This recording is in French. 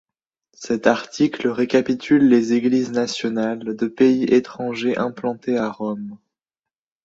Cet article récapitule les églises nationales, de pays étrangers, implantées à Rome.